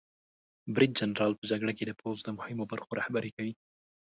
برید جنرال په جګړه کې د پوځ د مهمو برخو رهبري کوي.